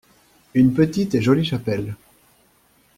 Une petite et jolie chapelle.